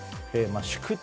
宿敵